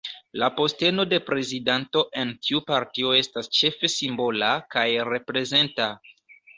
La posteno de prezidanto en tiu partio estas ĉefe simbola kaj reprezenta.